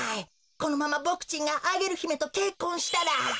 このままボクちんがアゲルひめとけっこんしたら。